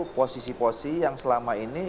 posisi posisi yang selama ini